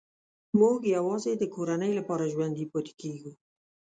موږ یوازې د کورنۍ لپاره ژوندي پاتې کېږو